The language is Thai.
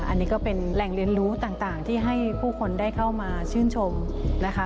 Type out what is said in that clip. อันนี้ก็เป็นแหล่งเรียนรู้ต่างที่ให้ผู้คนได้เข้ามาชื่นชมนะคะ